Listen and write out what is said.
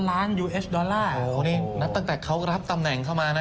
โอโฮนี่แล้วตั้งแต่เขารับตำแหน่งเข้ามานะ